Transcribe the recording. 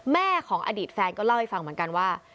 แม่ของอดีตแฟนก็เล่าให้ฟังเหมือนกันว่า